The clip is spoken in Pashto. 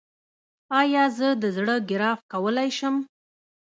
ایا زه د زړه ګراف کولی شم؟